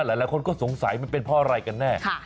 หลายคนก็สงสัยมันเป็นเพราะอะไรกันแน่